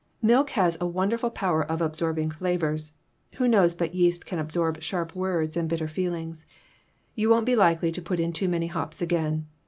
Milk has a wonderful power of absorbing flavors ; who knows but yeast can absorb sharp words and bitter feelings? You won't be likely to put in too many hops again.